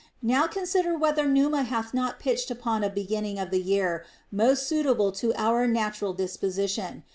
Now con sider whether Numa hath not pitched upon a beginning of the year most suitable to our natural disposition.